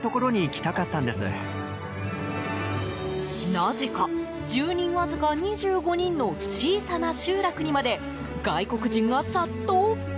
なぜか、住人わずか２５人の小さな集落にまで外国人が殺到？